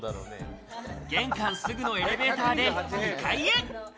玄関すぐのエレベーターで２階へ。